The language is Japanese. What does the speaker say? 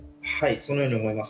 そのように思います。